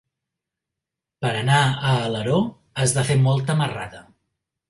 Per anar a Alaró has de fer molta marrada.